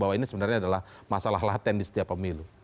bahwa ini sebenarnya adalah masalah laten di setiap pemilu